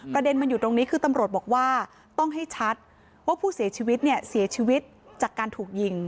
ประเด็นมันอยู่ตรงนี้คือตำรวจบอกว่าต้องให้ชัดว่าผู้เสียชีวิตเนี่ยเสียชีวิตจากการถูกยิง